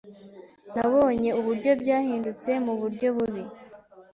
Nabonye uburyo byahindutse muburyo bubi -